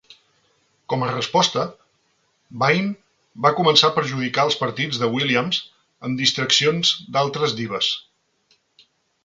Com a resposta, Vaine va començar a perjudicar els partits de Williams amb distraccions d'altres dives.